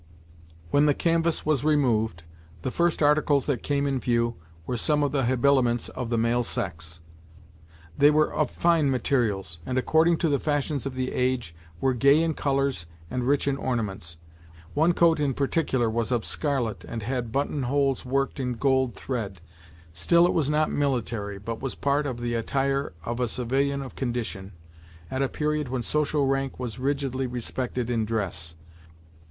When the canvass was removed, the first articles that came in view were some of the habiliments of the male sex. They were of fine materials, and, according to the fashions of the age, were gay in colours and rich in ornaments. One coat in particular was of scarlet, and had button holes worked in gold thread. Still it was not military, but was part of the attire of a civilian of condition, at a period when social rank was rigidly respected in dress.